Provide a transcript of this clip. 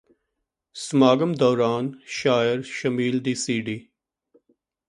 ਸਮਾਗਮ ਦੌਰਾਨ ਸ਼ਾਇਰ ਸ਼ਮੀਲ ਦੀ ਸੀਡੀ